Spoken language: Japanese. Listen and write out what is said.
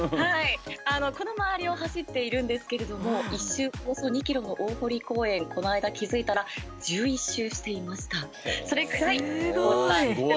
この周りを走っているんですけれども１周およそ２ｋｍの大濠公園この間気付いたら１１周していました。